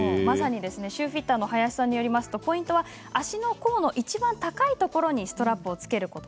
シューフィッターの林さんによると、ポイントは甲のいちばん高いところにストラップを付けること。